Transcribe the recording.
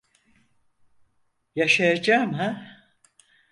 Yaşayacağım ha?